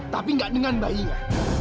tapi gak dengan bayinya